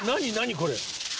これ。